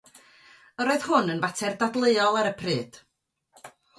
Yr oedd hwn yn fater dadleuol ar y pryd.